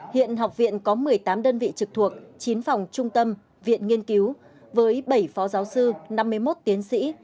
hiện học viện có một mươi tám đơn vị trực thuộc chín phòng trung tâm viện nghiên cứu với bảy phó giáo sư năm mươi một tiến sĩ